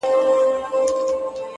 اوس مي حافظه ډيره قوي گلي”